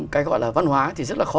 cái gọi là văn hóa thì rất là khó